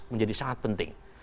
menjadi sangat penting